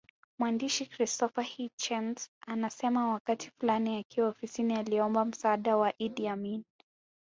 Mwandishi Christopher Hitchens anasema wakati fulani akiwa ofisini aliomba msaada wa Idi Amin